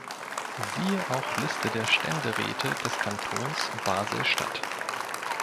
Siehe auch Liste der Ständeräte des Kantons Basel-Stadt.